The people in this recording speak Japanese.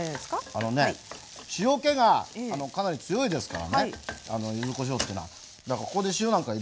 あのね塩気がかなり強いですからね柚子こしょうっていうのは。